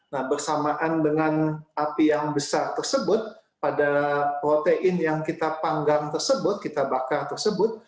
nah bersamaan dengan api yang besar tersebut pada protein yang kita panggang tersebut kita bakar tersebut